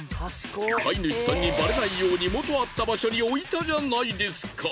飼い主さんにバレないように元あった場所に置いたじゃないですか。